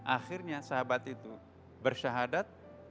akhirnya sahabat itu bersyahadat